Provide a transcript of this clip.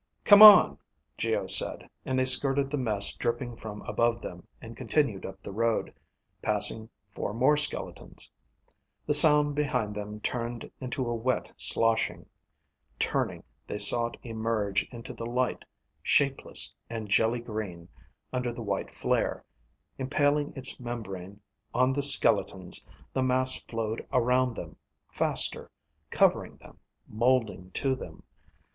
"Come on," Geo said, and they skirted the mess dripping from above them, and continued up the road, passing four more skeletons. The sound behind them turned into a wet sloshing. Turning, they saw it emerge into the light shapeless and jelly green under the white flare. Impaling its membrane on the skeletons, the mass flowed around them, faster, covering them, molding to them.